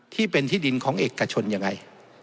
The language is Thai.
ที่เป็นที่ดินของเอกชนยังไง